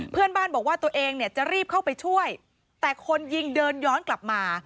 เพื่อนบ้านบอกว่าตัวเองเนี่ยจะรีบเข้าไปช่วยแต่คนยิงเดินย้อนกลับมา